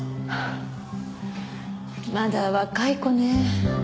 はあまだ若い子ね。